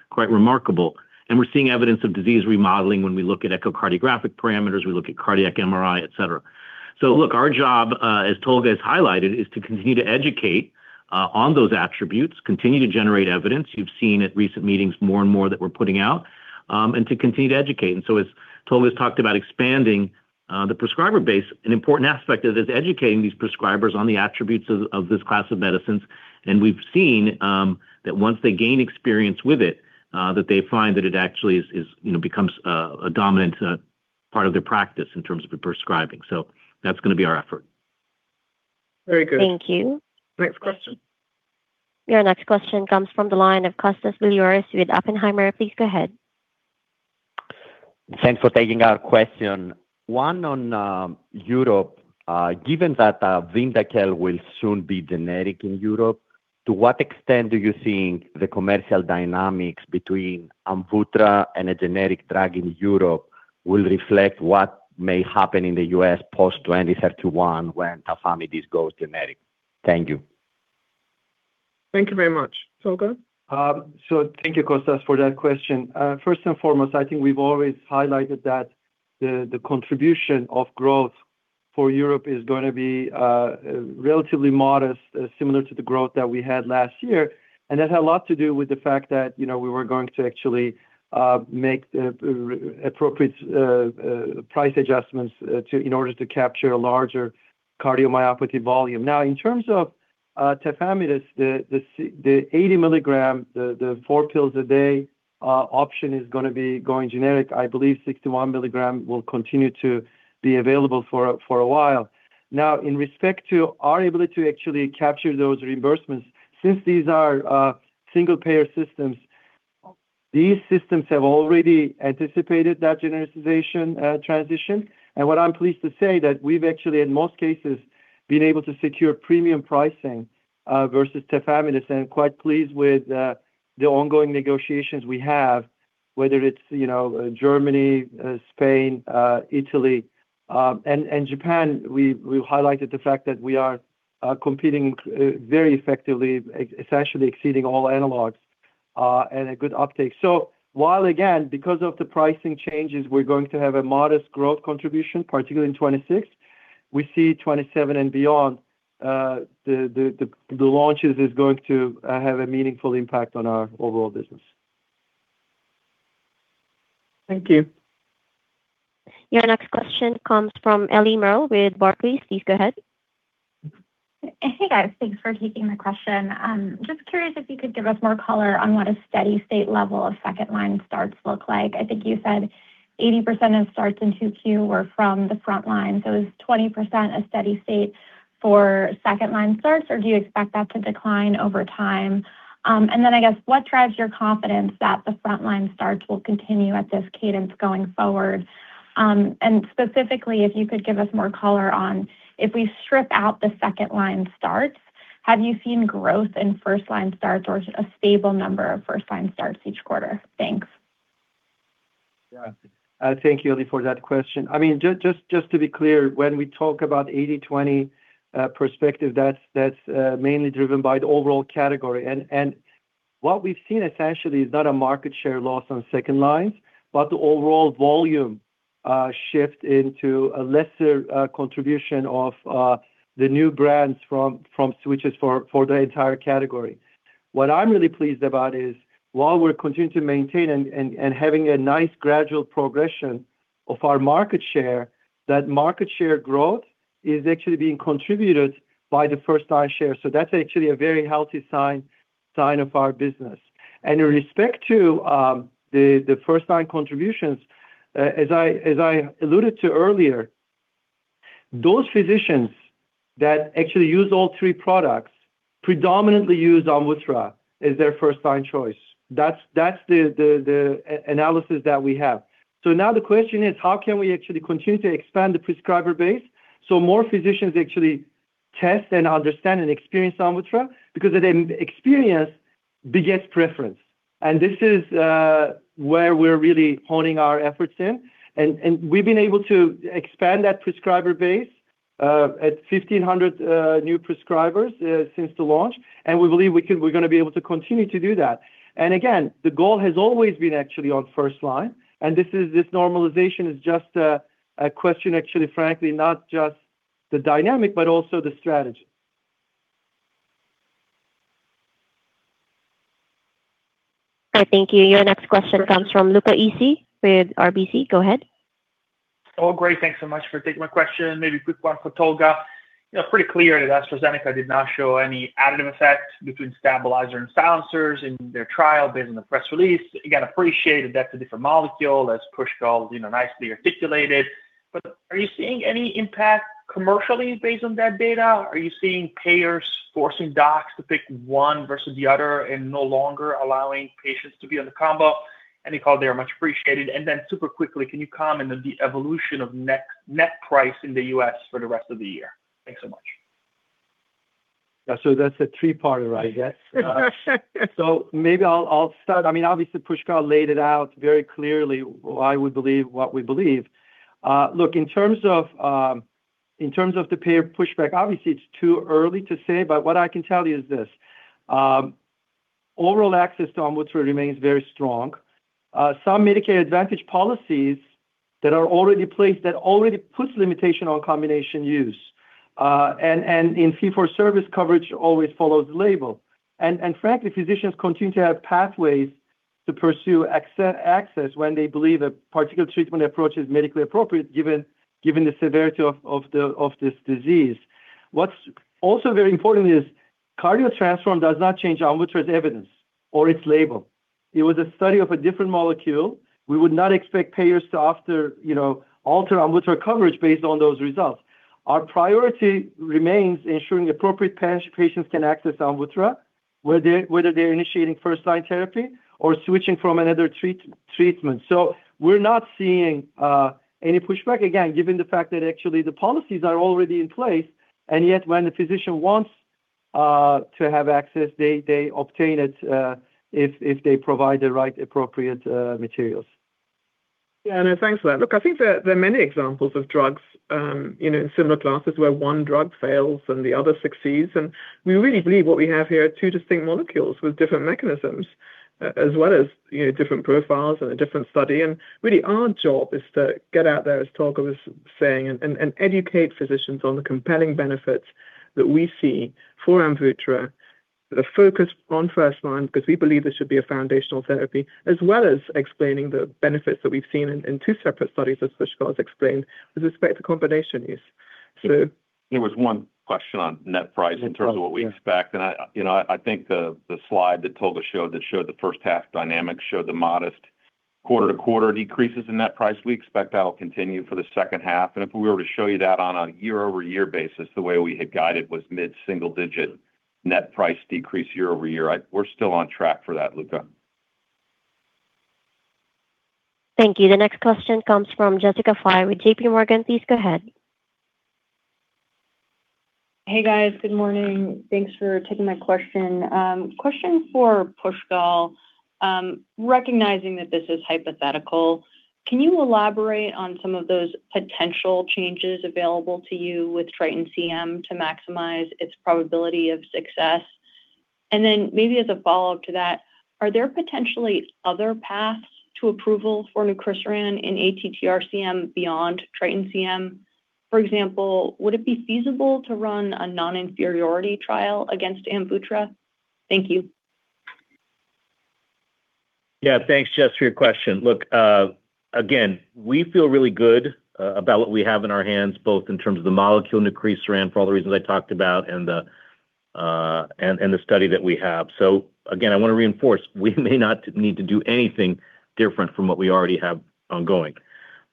F: quite remarkable. We're seeing evidence of disease remodeling when we look at echocardiographic parameters, we look at cardiac MRI, et cetera. Look, our job, as Tolga has highlighted, is to continue to educate on those attributes, continue to generate evidence. You've seen at recent meetings more and more that we're putting out, to continue to educate. As Tolga's talked about expanding the prescriber base, an important aspect of it is educating these prescribers on the attributes of this class of medicines. We've seen that once they gain experience with it, that they find that it actually becomes a dominant part of their practice in terms of prescribing. That's going to be our effort.
C: Very good.
A: Thank you.
C: Next question.
A: Your next question comes from the line of Kostas Biliouris with Oppenheimer. Please go ahead.
J: Thanks for taking our question. One on Europe. Given that Vyndaqel will soon be generic in Europe, to what extent do you think the commercial dynamics between AMVUTTRA and a generic drug in Europe will reflect what may happen in the U.S. post-2031 when tafamidis goes generic? Thank you.
C: Thank you very much. Tolga?
E: Thank you, Kostas, for that question. First and foremost, I think we've always highlighted that the contribution of growth for Europe is going to be relatively modest, similar to the growth that we had last year. That had a lot to do with the fact that we were going to actually make the appropriate price adjustments in order to capture a larger cardiomyopathy volume. In terms of tafamidis, the 80 mg, the four pills a day option is going to be going generic. I believe 61 mg will continue to be available for a while. In respect to our ability to actually capture those reimbursements, since these are single-payer systems, these systems have already anticipated that genericization transition. What I'm pleased to say that we've actually, in most cases, been able to secure premium pricing versus tafamidis, and quite pleased with the ongoing negotiations we have, whether it's Germany, Spain, Italy, and Japan. We highlighted the fact that we are competing very effectively, essentially exceeding all analogs, and a good uptake. While, again, because of the pricing changes, we're going to have a modest growth contribution, particularly in 2026, we see 2027 and beyond, the launches is going to have a meaningful impact on our overall business.
C: Thank you.
A: Your next question comes from Ellie Merle with Barclays. Please go ahead.
K: Hey, guys. Thanks for taking my question. Just curious if you could give us more color on what a steady state level of second-line starts look like. I think you said 80% of starts in 2Q were from the front line. Is 20% a steady state for second-line starts, or do you expect that to decline over time? What drives your confidence that the front-line starts will continue at this cadence going forward? Specifically, if you could give us more color on if we strip out the second-line starts, have you seen growth in first-line starts or a stable number of first-line starts each quarter? Thanks.
E: Yeah. Thank you, Ellie, for that question. Just to be clear, when we talk about 80, 20 perspective, that's mainly driven by the overall category. What we've seen essentially is not a market share loss on second lines, but the overall volume shift into a lesser contribution of the new brands from switches for the entire category. What I'm really pleased about is while we're continuing to maintain and having a nice gradual progression of our market share, that market share growth is actually being contributed by the first-line share. That's actually a very healthy sign of our business. In respect to the first-line contributions, as I alluded to earlier, those physicians that actually use all three products predominantly use AMVUTTRA as their first-line choice. That's the analysis that we have. Now the question is, how can we actually continue to expand the prescriber base so more physicians actually test and understand and experience AMVUTTRA? Because experience begets preference. This is where we're really honing our efforts in, and we've been able to expand that prescriber base at 1,500 new prescribers since the launch, and we believe we're going to be able to continue to do that. Again, the goal has always been actually on first line, and this normalization is just a question, actually, frankly, not just the dynamic, but also the strategy.
A: All right, thank you. Your next question comes from Luca Issi with RBC. Go ahead.
L: Great. Thanks so much for taking my question. Maybe a quick one for Tolga. Pretty clear that AstraZeneca did not show any additive effect between stabilizer and silencers in their trial based on the press release. Again, appreciated that's a different molecule. That's Pushkal nicely articulated. Are you seeing any impact commercially based on that data? Are you seeing payers forcing docs to pick one versus the other and no longer allowing patients to be on the combo? Any call there much appreciated. Then super quickly, can you comment on the evolution of net price in the U.S. for the rest of the year? Thanks so much.
E: That's a three-parter I guess. Maybe I'll start. Obviously Pushkal laid it out very clearly why we believe what we believe. Look, in terms of the payer pushback, obviously it's too early to say, but what I can tell you is this. Oral access to AMVUTTRA remains very strong. Some Medicare Advantage policies that are already placed, that already puts limitation on combination use. In fee-for-service coverage always follows label. Frankly, physicians continue to have pathways to pursue access when they believe a particular treatment approach is medically appropriate given the severity of this disease. What's also very important is CARDIO-TTRansform does not change Alnylam's evidence or its label. It was a study of a different molecule. We would not expect payers to alter Alnylam coverage based on those results. Our priority remains ensuring appropriate patients can access AMVUTTRA, whether they are initiating first-line therapy or switching from another treatment. We are not seeing any pushback, again, given the fact that actually the policies are already in place, and yet when the physician wants to have access, they obtain it if they provide the right appropriate materials.
C: Yeah. No, thanks for that. Look, I think there are many examples of drugs in similar classes where one drug fails and the other succeeds. We really believe what we have here are two distinct molecules with different mechanisms, as well as different profiles and a different study. Really our job is to get out there, as Tolga was saying, and educate physicians on the compelling benefits that we see for AMVUTTRA, the focus on first line, because we believe this should be a foundational therapy, as well as explaining the benefits that we have seen in two separate studies, as Pushkal explained, with respect to combination use.
D: There was one question on net price in terms of what we expect, and I think the slide that Tolga showed that showed the first half dynamics, showed the modest quarter-to-quarter decreases in net price. We expect that will continue for the second half. If we were to show you that on a year-over-year basis, the way we had guided was mid-single digit net price decrease year-over-year. We are still on track for that, Luca.
A: Thank you. The next question comes from Jessica Fye with JPMorgan. Please go ahead.
M: Hey, guys. Good morning. Thanks for taking my question. Question for Pushkal. Recognizing that this is hypothetical, can you elaborate on some of those potential changes available to you with TRITON-CM to maximize its probability of success? Maybe as a follow-up to that, are there potentially other paths to approval for nucresiran in ATTR-CM beyond TRITON-CM? For example, would it be feasible to run a non-inferiority trial against AMVUTTRA? Thank you.
F: Yeah. Thanks, Jess, for your question. Look, again, we feel really good about what we have in our hands, both in terms of the molecule nucresiran for all the reasons I talked about and the study that we have. Again, I want to reinforce, we may not need to do anything different from what we already have ongoing.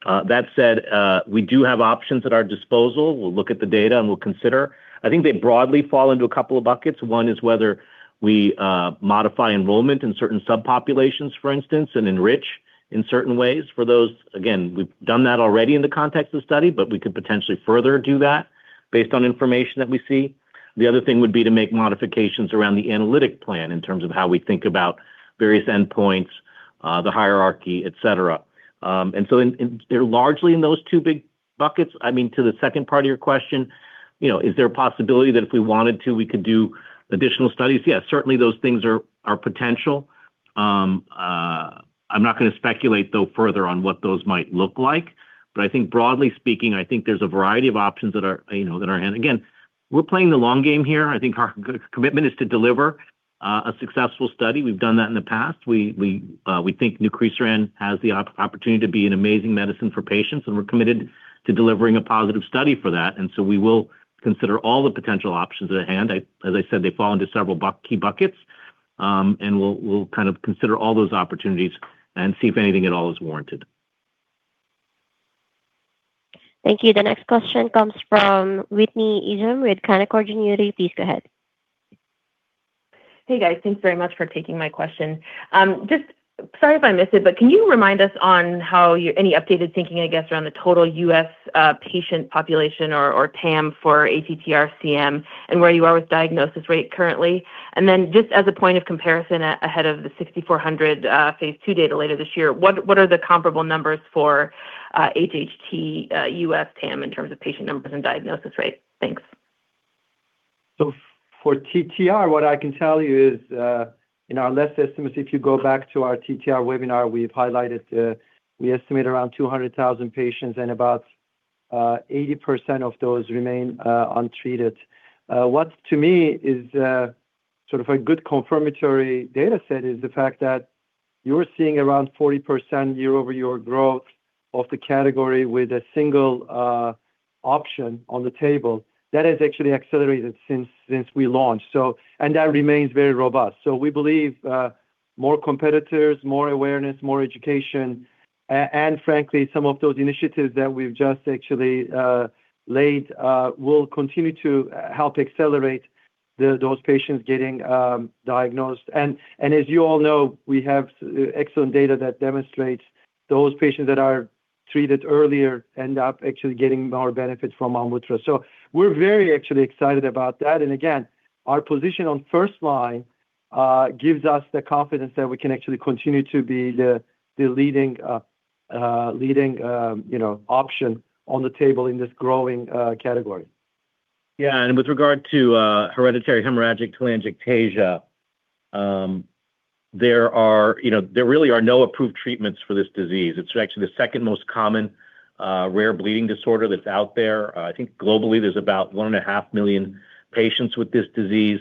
F: That said, we do have options at our disposal. We'll look at the data and we'll consider. I think they broadly fall into a couple of buckets. One is whether we modify enrollment in certain subpopulations, for instance, and enrich in certain ways for those. Again, we've done that already in the context of the study, but we could potentially further do that based on information that we see. The other thing would be to make modifications around the analytic plan in terms of how we think about various endpoints, the hierarchy, et cetera. They're largely in those two big buckets. To the second part of your question, is there a possibility that if we wanted to, we could do additional studies? Yeah, certainly those things are potential. I'm not going to speculate, though, further on what those might look like. I think broadly speaking, I think there's a variety of options that are at hand. Again, we're playing the long game here. I think our commitment is to deliver a successful study. We've done that in the past. We think nucresiran has the opportunity to be an amazing medicine for patients, and we're committed to delivering a positive study for that. We will consider all the potential options at hand. As I said, they fall into several key buckets, and we'll consider all those opportunities and see if anything at all is warranted.
A: Thank you. The next question comes from Whitney Ijem with Canaccord Genuity. Please go ahead.
N: Hey, guys. Thanks very much for taking my question. Sorry if I missed it, but can you remind us on any updated thinking, I guess, around the total U.S. patient population or TAM for ATTR-CM and where you are with diagnosis rate currently? Just as a point of comparison ahead of the 6,400 phase II data later this year, what are the comparable numbers for HHT U.S. TAM in terms of patient numbers and diagnosis rates? Thanks.
E: For TTR, what I can tell you is in our latest estimates, if you go back to our TTR webinar, we've highlighted we estimate around 200,000 patients and about 80% of those remain untreated. What to me is sort of a good confirmatory data set is the fact that you're seeing around 40% year-over-year growth of the category with a single option on the table. That has actually accelerated since we launched, and that remains very robust. We believe more competitors, more awareness, more education, and frankly, some of those initiatives that we've just actually laid will continue to help accelerate those patients getting diagnosed. As you all know, we have excellent data that demonstrates those patients that are treated earlier end up actually getting more benefits from AMVUTTRA. We're very actually excited about that. Again, our position on first line gives us the confidence that we can actually continue to be the leading option on the table in this growing category.
F: Yeah. With regard to Hereditary Hemorrhagic Telangiectasia, there really are no approved treatments for this disease. It's actually the second most common rare bleeding disorder that's out there. I think globally there's about 1.5 million patients with this disease.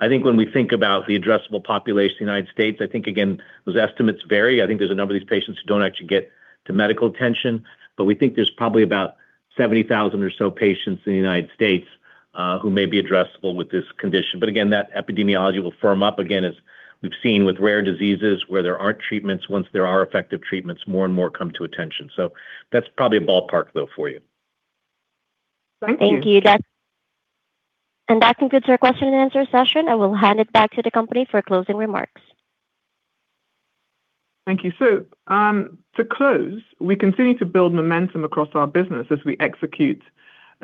F: I think when we think about the addressable population in the U.S., I think, again, those estimates vary. I think there's a number of these patients who don't actually get to medical attention but we think there's probably about 70,000 or so patients in the U.S. who may be addressable with this condition. Again, that epidemiology will firm up again, as we've seen with rare diseases where there aren't treatments. Once there are effective treatments, more and more come to attention. That's probably a ballpark though for you.
C: Thank you.
A: Thank you. That concludes our question and answer session, we'll hand it back to the company for closing remarks.
C: Thank you. To close, we continue to build momentum across our business as we execute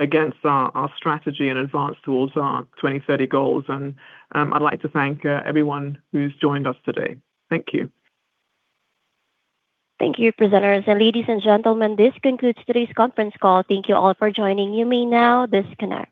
C: against our strategy and advance towards our 2030 goals. I'd like to thank everyone who's joined us today. Thank you.
A: Thank you, presenters. Ladies and gentlemen, this concludes today's conference call. Thank you all for joining. You may now disconnect.